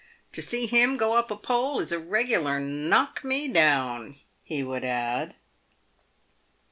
" To see him go up a pole is a regular knock me down !" he would add.